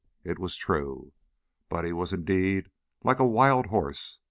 It was true; Buddy was indeed like a wild horse.